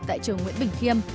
tại trường nguyễn bình khiêm